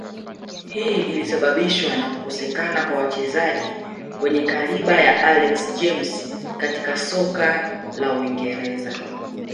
Hii ilisababishwa na kukosekana wachezai wenye kaliba ya Alex James katika soka la uingereza